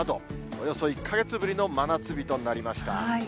およそ１か月ぶりの真夏日となりました。